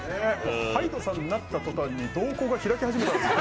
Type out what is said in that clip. ｈｙｄｅさんになったとたんに瞳孔が開き始めたんですよ。